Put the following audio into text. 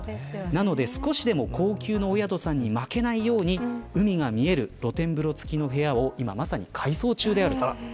なので、少しでも高級なお宿さんに負けないように海が見える露天風呂付きの部屋を今まさに改装中である。